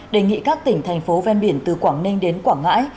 đề nghị các tỉnh thành phố ven biển từ quảng ninh đến quảng ngãi